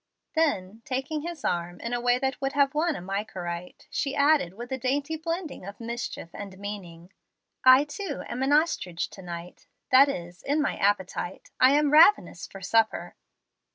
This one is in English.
Then, taking his arm in a way that would have won an Michorite, she added with a dainty blending of mischief and meaning, "I, too, am an ostrich to night, that is, in my appetite. I am ravenous for supper."